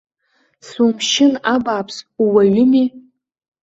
Сумшьын, абааԥсы, ууаҩыми?!